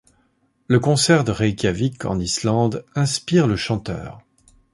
Le concert de Reykjavik en Islande inspire le chanteur.